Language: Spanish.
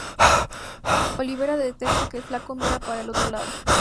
Olivera detecta que el flaco mira para el otro lado.